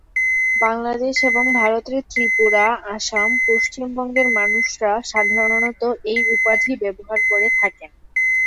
বাংলাদেশ এবং ভারতের ত্রিপুরা, আসাম, পশ্চিম বঙ্গের মানুষরা সাধারনত এই উপাধি ব্যবহার করে থাকেন।